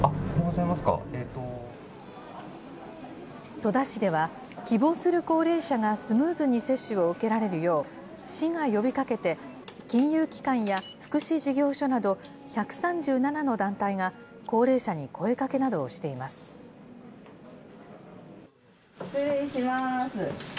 戸田市では、希望する高齢者がスムーズに接種を受けられるよう、市が呼びかけて、金融機関や福祉事業所など１３７の団体が高齢者に声かけなどをしています。